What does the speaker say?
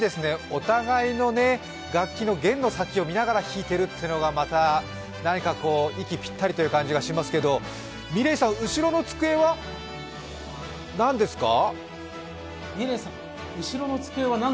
お互いの楽器の弦の先を見ながら弾いているというのがまた、息ぴったりという感じがしますけど、美玲さん、後ろの机は何ですか？